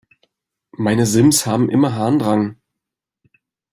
Meine Sims haben immer Harndrang.